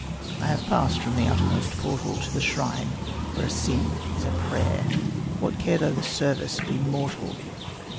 I have passed from the outermost portal To the shrine where a sin is a prayer; What care though the service be mortal?